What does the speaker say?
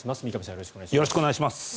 よろしくお願いします。